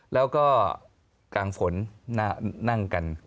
แล้วก็กลางฝนนั่งกัน